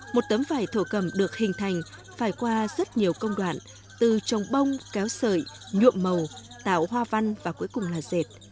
một tấm vải thổ cầm được hình thành phải qua rất nhiều công đoạn từ trồng bông kéo sợi nhuộm màu tạo hoa văn và cuối cùng là dệt